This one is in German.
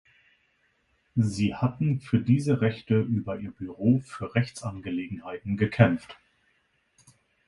Sie hatten für diese Rechte über ihr Büro für Rechtsangelegenheiten gekämpft.